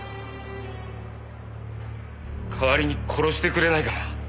代わりに殺してくれないかな。